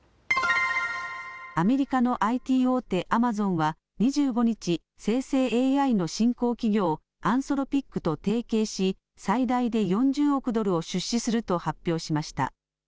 アメリカのＩＴ大手、アマゾンは２５日、生成ＡＩの新興企業、アンソロピックと提携し最大で４０億ドルを出資すると発表しました。